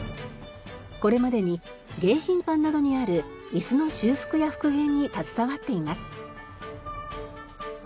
これまでに迎賓館などにある椅子の修復や復元に携わっています。